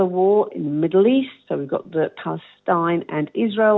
jadi kita memiliki situasi palestine dan israel